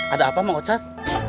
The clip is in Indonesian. ada apa mak ucad